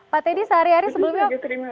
pak teddy sehari hari sebelumnya